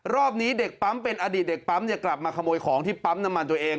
รอบนี้เด็กปั๊มเป็นอดีตเด็กปั๊มกลับมาขโมยของที่ปั๊มน้ำมันตัวเอง